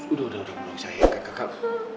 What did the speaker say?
udah udah saya angkat kakak